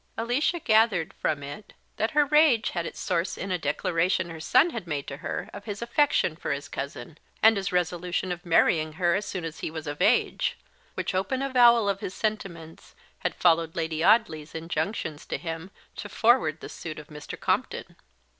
Alicia gathered from it that her rage had its source in a declaration her son had made to her of his affection for his cousin, and his resolution of marrying her as soon as he was of age; which open avowal of his sentiments had followed Lady Audley's injunctions to him to forward the suit of Mr. Compton.